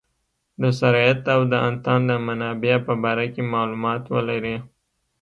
د سرایت او د انتان د منابع په باره کې معلومات ولري.